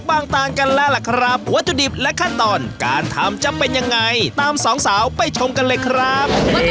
ตานกันแล้วล่ะครับวัตถุดิบและขั้นตอนการทำจะเป็นยังไงตามสองสาวไปชมกันเลยครับ